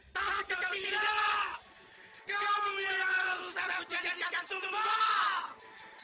tak bisa tinggal kamu yang harus aku jadikan tumpang